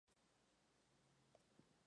Tiene la forma de una pirámide trunca.